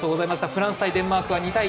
フランス対デンマークは２対１。